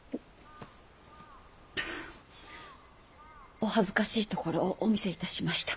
お恥ずかしいところをお見せいたしました。